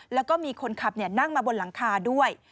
แล้วก็มีคนขับนั่งมาบนหลังคาด้วย